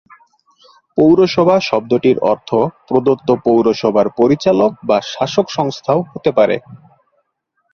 পৌরসভা শব্দটির অর্থ প্রদত্ত পৌরসভার পরিচালক বা শাসক সংস্থাও হতে পারে।